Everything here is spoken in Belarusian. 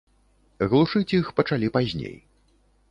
Глушыць іх пачалі пазней.